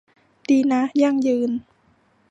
ดีนะ ยั่งยืน